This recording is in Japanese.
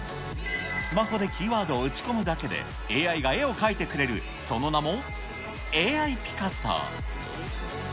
スマホでキーワードを打ち込むだけで、ＡＩが絵を描いてくれる、その名もＡＩピカソ。